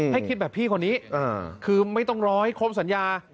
ให้คิดแบบพี่คนนี้คือไม่ต้องรอให้ครบสัญญา